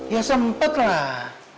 ya sempet lah